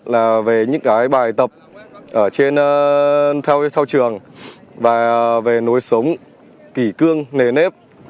là về những cái bài tập ở trên thao trường và về nối sống kỷ cương nề nếp